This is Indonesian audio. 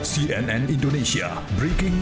cnn indonesia breaking news